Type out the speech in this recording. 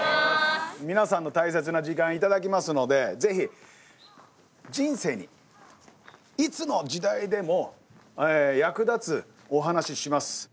皆さんの大切な時間頂きますので是非人生にいつの時代でも役立つお話します。